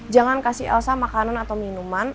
jangan kasih elsa makanan atau minuman